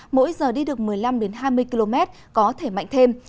mỗi giờ đi được một mươi năm hai mươi km có thể mạnh thêm